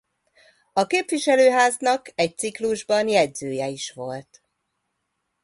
A képviselőháznak egy ciklusban jegyzője is volt.